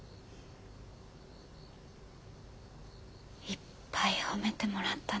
いっぱい褒めてもらったなぁ。